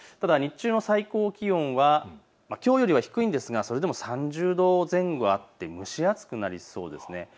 ただ日中の最高気温はきょうよりは低いんですがそれでも３０度前後あって、蒸し暑くなりそうです。